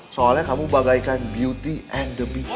soalnya kamu bagaikan beauty and the beast